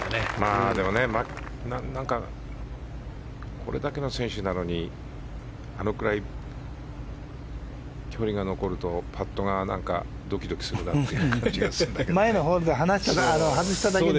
これだけの選手なのにあのくらい距離が残るとパットがドキドキする感じがするんだけど。